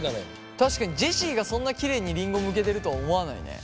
確かにジェシーがそんなきれいにりんごむけてるとは思わないね。